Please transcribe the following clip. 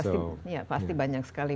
iya pasti banyak sekali